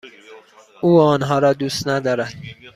او آنها را دوست ندارد.